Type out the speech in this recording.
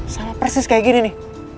sama persis kayak gini nih